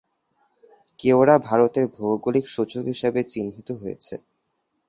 কেওড়া ভারতের ভৌগোলিক সূচক হিসাবে চিহ্নিত হয়েছে।